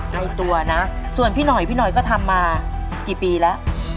ในตัวนะส่วนพี่หน่อยพี่หน่อยก็ทำมากี่ปีแล้ว